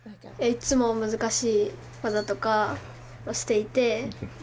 いつも難しい技とかをしていてすごいなって。